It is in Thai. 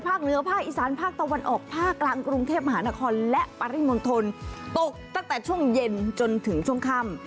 เหนือภาคอีสานภาคตะวันออกภาคกลางกรุงเทพมหานครและปริมณฑลตกตั้งแต่ช่วงเย็นจนถึงช่วงค่ำ